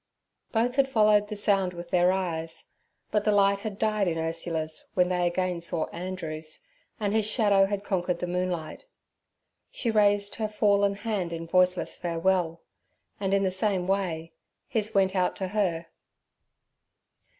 Both had followed the sound with their eyes, but the light had died in Ursula's when they again sought Andrew's, and his shadow had conquered the moonlight. She raised her fallen hand in voiceless farewell, and in the same way his went out to her.